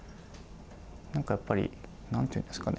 なんかやっぱり何て言うんですかね